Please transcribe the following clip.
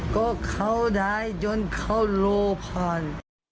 ก็เขาได้จนเขาโลผ่าน